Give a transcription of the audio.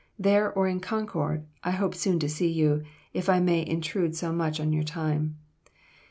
There, or in Concord, I hope soon to see you; if I may intrude so much on your time.